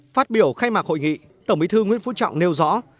phát biểu khai mạc hội nghị tổng bí thư nguyễn phú trọng nêu rõ